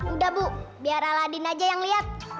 udah bu biar aladin aja yang lihat